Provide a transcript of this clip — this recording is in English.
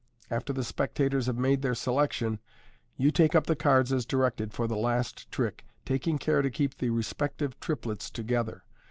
After the spectators have made their selection, yon take up the cards as directed for the last trick, taking care to keep the respective triplets together.